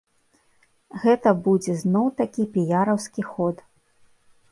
Гэта будзе зноў такі піяраўскі ход.